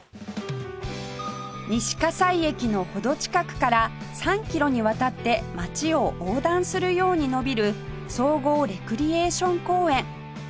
西西駅の程近くから３キロにわたって街を横断するように延びる総合レクリエーション公園